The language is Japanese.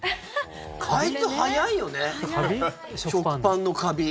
あいつ早いよね食パンのカビ。